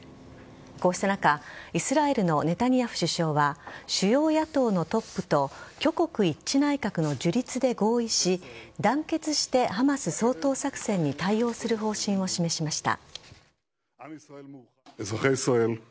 こうした中イスラエルのネタニヤフ首相は主要野党のトップと挙国一致内閣の樹立で合意し団結してハマス掃討作戦に対応する方針を示しました。